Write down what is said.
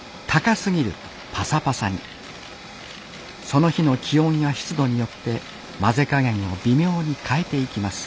その日の気温や湿度によって混ぜ加減を微妙に変えていきます